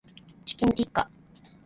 チキンティッカ